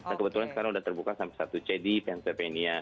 nah kebetulan sekarang sudah terbuka sama satu c di pennslepenia